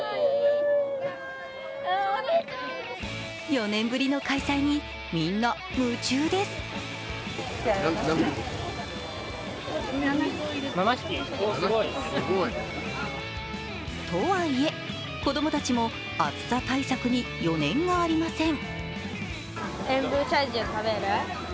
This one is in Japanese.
４年ぶりの開催にみんな夢中ですとはいえ、子供たちも暑さ対策に余念がありません。